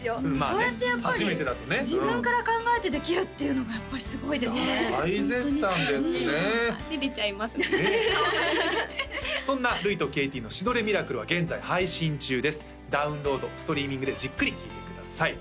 そうやってやっぱり自分から考えてできるっていうのがやっぱりすごいですね大絶賛ですねてれちゃいますねかわいいそんなルイとＫＴの「シ・ド・レ・ミラクル」は現在配信中ですダウンロードストリーミングでじっくり聴いてください